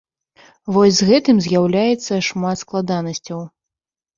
Вось з гэтым з'яўляецца шмат складанасцяў.